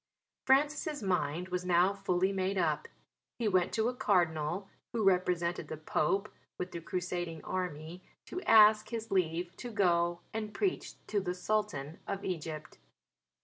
Francis' mind was now fully made up. He went to a Cardinal, who represented the Pope, with the Crusading Army to ask his leave to go and preach to the Sultan of Egypt.